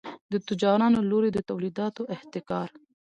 د تجارانو له لوري د تولیداتو احتکار.